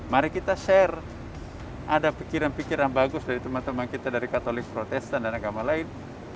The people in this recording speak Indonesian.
mari kita share ada pikiran pikiran bagus dari teman teman kita dari katolik protestan dan agama lain